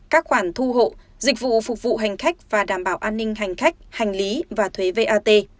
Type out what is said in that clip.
các khoản thu hộ dịch vụ phục vụ hành khách và đảm bảo an ninh hành khách hành lý và thuế vat